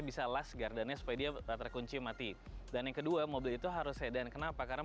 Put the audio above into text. bisa last gardennya supaya dia terkunci mati dan yang kedua mobil itu harus sedan kenapa karena